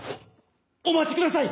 お待ちください！